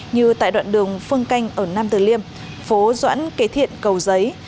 như tại đoạn đường phương canh ở nam tử liêm phố doãn kế thiện cầu giấy